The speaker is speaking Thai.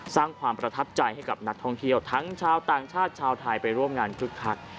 สร้างความประทับใจให้กับนักท่องเที่ยวทั้งชาวต่างชาติชาวไทยไปร่วมงานคึกคัก